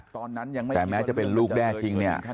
แต่แม้จะเป็นลูกแด้จริงเนี่ย